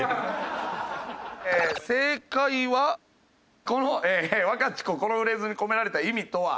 正解はこの「“ワカチコ”このフレーズに込められた意味とは？」